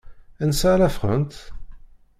Ansa ara ffɣent?